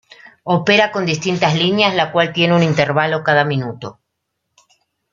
Opera con distintas líneas la cual tiene un intervalo cada minuto.